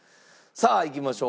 さあいきましょう。